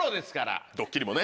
ドッキリもね。